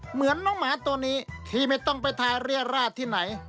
เหมือนน้องหมาตัวนี้ที่ไม่ต้องไปทายเรียราชที่ไหน